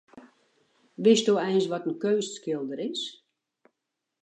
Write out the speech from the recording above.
Witsto eins wat in keunstskilder is?